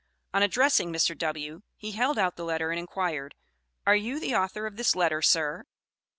On addressing Mr. W. he held out the letter and inquired: "Are you the author of this letter, sir?"